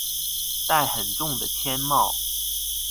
戴很重的鉛帽